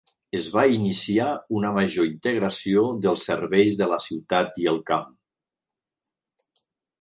Es va iniciar una major integració dels serveis de la ciutat i el camp.